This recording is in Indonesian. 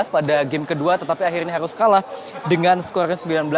pada game kedua tetapi akhirnya harus kalah dengan skor sembilan belas dua puluh